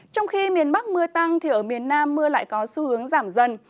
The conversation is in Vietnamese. trong khi miền bắc mưa tăng thì ở miền nam mưa lại có xu hướng giảm dần